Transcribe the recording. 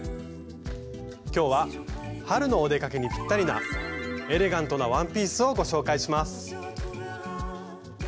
今日は春のお出かけにぴったりなエレガントなワンピースをご紹介します。